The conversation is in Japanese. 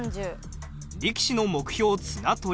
力士の目標綱取り。